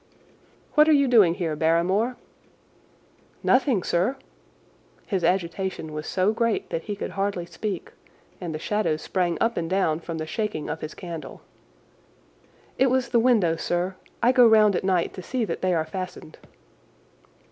"What are you doing here, Barrymore?" "Nothing, sir." His agitation was so great that he could hardly speak, and the shadows sprang up and down from the shaking of his candle. "It was the window, sir. I go round at night to see that they are fastened."